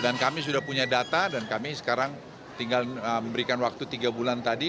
dan kami sudah punya data dan kami sekarang tinggal memberikan waktu tiga bulan tadi